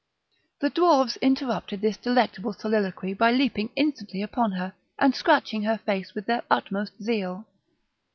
The dwarfs interrupted this delectable soliloquy by leaping instantly upon her, and scratching her face with their utmost zeal.